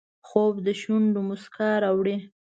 خوب د شونډو مسکا راوړي